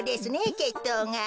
けっとうが。